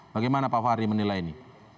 bagaimana pak fahri menilai ini